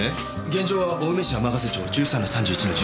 現場は青梅市天ヶ瀬町１３の３１の１０